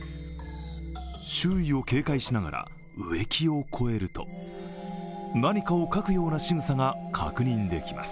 周囲を警戒しながら植木を越えると何かを書くようなしぐさが確認できます。